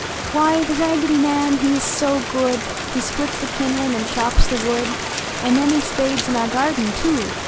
"YV y, The Raggedy Man he s ist so good He splits the kindlin an chops the wood ; An nen he spades in our garden, too.